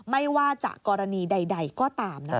ไม่ว่าจะกรณีใดก็ตามนะคะ